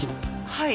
はい。